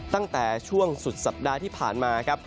ตั้งแต่ช่วงสุดสัปดาห์ที่ผ่านมาครับ